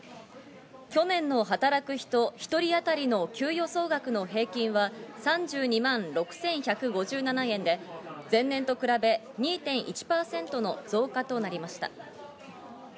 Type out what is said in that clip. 去年の働く人１人あたりの給与総額の平均は３２万６１５７円で、前年と比べ、２．１％の増加となりました。